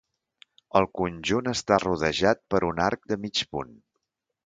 El conjunt està rodejat per un arc de mig punt.